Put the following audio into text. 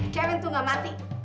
kevin tuh gak mati